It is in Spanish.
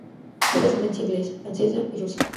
Es de ascendencia inglesa, francesa y rusa.